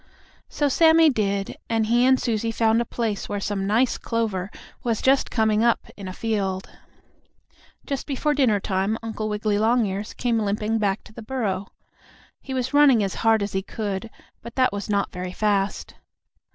So Sammie did, and he and Susie found a place where some nice clover was just coming up in a field. Just before dinner time Uncle Wiggily Longears came limping back to the burrow. He was running as hard as he could, but that was not very fast.